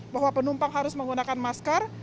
bahwa penumpang harus menggunakan masker